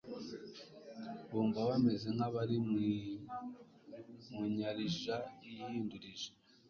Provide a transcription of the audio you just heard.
bumva bameze nk'abari mu nyarija yihindurije.